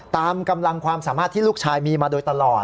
ตามกำลังความสามารถที่ลูกชายมีมาโดยตลอด